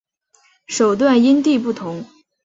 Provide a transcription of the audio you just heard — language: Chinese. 手段因地不同。